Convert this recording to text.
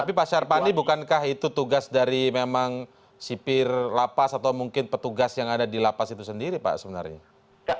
tapi pak syar pandi bukankah itu tugas dari memang sipir lapas atau mungkin petugas yang ada di lapas itu sendiri pak sebenarnya